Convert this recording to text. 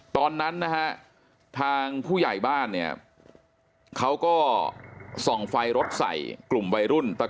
ตอนนั้นนะฮะทางผู้ใหญ่บ้านเนี่ยเขาก็ส่องไฟรถใส่กลุ่มวัยรุ่น